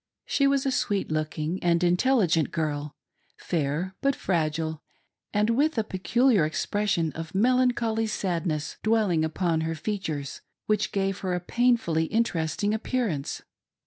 She was a sweet looking and intelligent girl, fair but fragile, and with a peculiar expression of melancholy sadness dwelling upon her features, which gave her a painfully inter esting appearance.